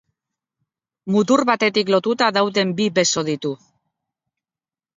Mutur batetik lotuta dauden bi beso ditu.